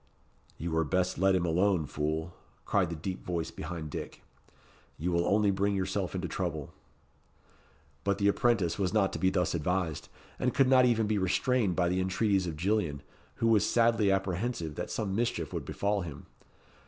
"You were best let him alone, fool," cried the deep voice behind Dick. "You will only bring yourself into trouble." But the apprentice was not to be thus advised; and could not even be restrained by the entreaties of Gillian, who was sadly apprehensive that some mischief would befall him.